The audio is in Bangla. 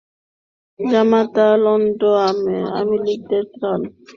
জামাতা লন্ডন আওয়ামীলীগের ত্রাণ ও পুনর্বাসন সম্পাদক আব্দুর রহিম শামীম।